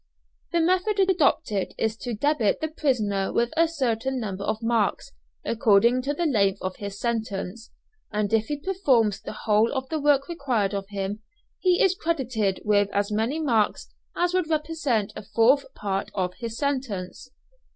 The method adopted is to debit the prisoner with a certain number of marks, according to the length of his sentence, and if he performs the whole of the work required of him he is credited with as many marks as would represent a fourth part of his sentence.